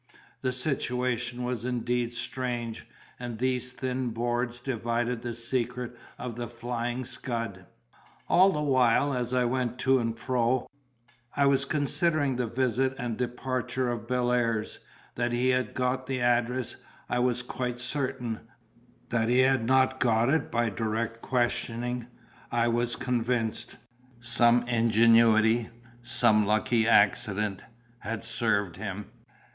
The situation was indeed strange, and these thin boards divided the secret of the Flying Scud. All the while, as I went to and fro, I was considering the visit and departure of Bellairs. That he had got the address, I was quite certain: that he had not got it by direct questioning, I was convinced; some ingenuity, some lucky accident, had served him.